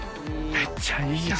めっちゃいいやん！